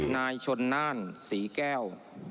๑๑๔นายชนนานสีแก้ว